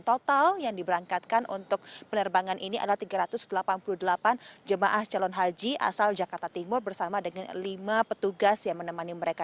total yang diberangkatkan untuk penerbangan ini adalah tiga ratus delapan puluh delapan jemaah calon haji asal jakarta timur bersama dengan lima petugas yang menemani mereka